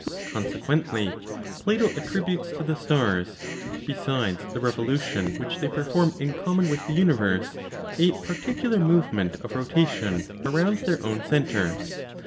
Consequently, Plato attributes to the stars, besides the revolution which they perform in common with the universe, a particular movement of rotation around their own centre.